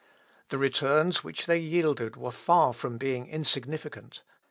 The returns which they yielded were far from being insignificant.